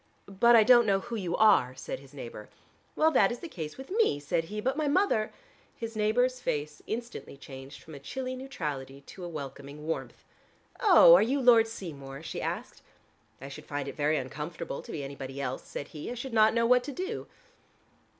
"But I don't know who you are," said his neighbor. "Well, that is the case with me," said he. "But my mother " His neighbor's face instantly changed from a chilly neutrality to a welcoming warmth. "Oh, are you Lord Seymour?" she asked. "I should find it very uncomfortable to be anybody else," said he. "I should not know what to do."